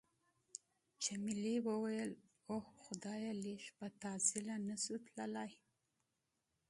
جميلې وويل:: اوه خدایه، لږ په بېړه نه شو تللای؟